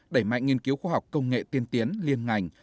đẩy mạnh nghiên cứu khoa học công nghệ tiên tiến liên ngành